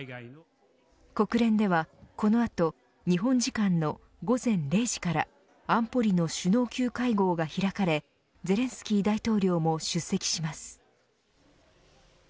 国連では、この後日本時間の午前０時から安保理の首脳級会合が開かれゼレンスキー大統領も出席します。